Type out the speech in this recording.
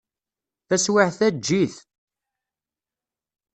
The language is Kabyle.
Taswiɛt-a, eǧǧ-it.